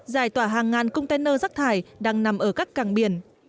giải tỏa hàng ngàn container rác thải đang nằm ở các càng biển